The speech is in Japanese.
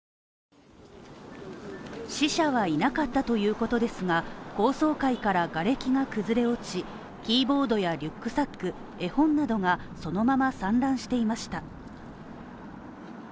死者はいなかったということですが高層階からがれきが崩れ落ち、キーボードやリュックサック絵本などがそのまま散乱していました。